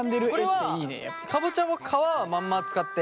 これはかぼちゃも皮はまんま使って？